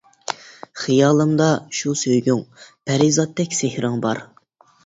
خىيالىمدا شۇ سۆيگۈڭ، پەرىزاتتەك سېھرىڭ بار.